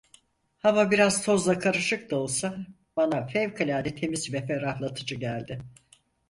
Hava, biraz tozla karışık da olsa, bana fevkalade temiz ve ferahlatıcı geldi.